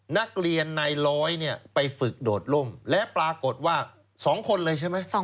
นักเรียนในร้อยเนี่ยไปฝึกโดดล่มและปรากฏว่า๒คนเลยใช่ไหม